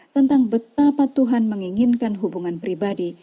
tentang betapa tuhan menginginkan hubungan pribadi